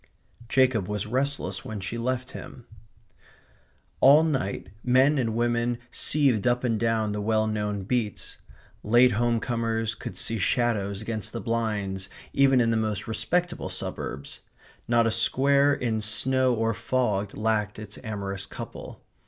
Jacob was restless when she left him. All night men and women seethed up and down the well known beats. Late home comers could see shadows against the blinds even in the most respectable suburbs. Not a square in snow or fog lacked its amorous couple.